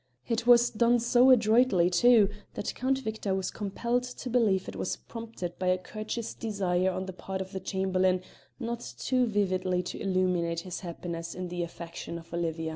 It was done so adroitly, too, that Count Victor was compelled to believe it prompted by a courteous desire on the part of the Chamberlain not too vividly to illuminate his happiness in the affection of Olivia.